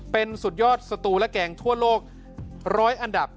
เป็นสุดยอดสตูและแกงทั่วโลก๑๐๐อันดับ